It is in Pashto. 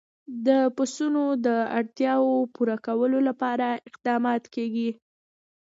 د پسونو د اړتیاوو پوره کولو لپاره اقدامات کېږي.